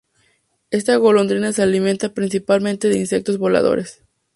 Esta golondrina se alimenta principalmente de insectos voladores.